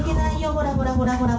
ほらほらほらほら。